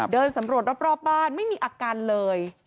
เดินสำรวจรอบบ้านไม่มีอาการเลย